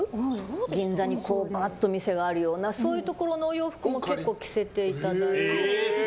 銀座にばーっと店があるようなそういうところのお洋服も結構着せていただいて。